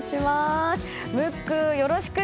ムック、よろしくね！